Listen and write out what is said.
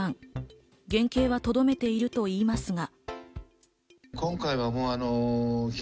原形はとどめているといいますが。